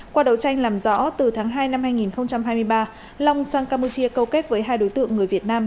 qua đấu tranh làm rõ từ tháng hai năm hai nghìn hai mươi ba long sang campuchia câu kết với hai đối tượng người việt nam